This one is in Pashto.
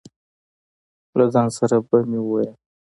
له ځان سره به مې وویل.